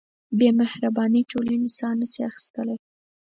بېمهربانۍ ټولنه ساه نهشي اخیستلی.